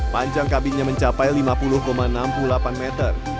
panjang kabinnya mencapai lima puluh enam puluh delapan meter